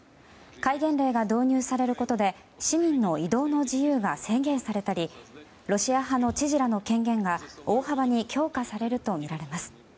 戒厳令が導入されることで市民の移動の自由が制限されたりロシア派の知事らの権限が大幅に強化されるとみられます。